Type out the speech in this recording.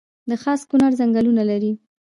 د خاص کونړ ځنګلونه لري